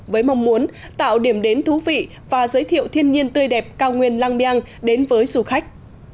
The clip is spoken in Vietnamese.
với mong muốn tạo điểm đến thú vị và giới thiệu thiên nhiên tươi đẹp cao nguyên lang biang đến với du khách